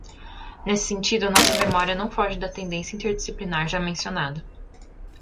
Nesse sentido, nossa memória não foge da tendência interdisciplinar já mencionada.